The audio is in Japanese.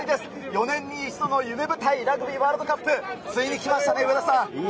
４年に一度の夢舞台・ラグビーワールドカップ、ついに来ましたね、上田さん。